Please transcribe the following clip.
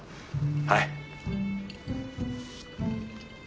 はい！